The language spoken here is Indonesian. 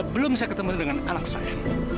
belum saya ketemu dengan anak saya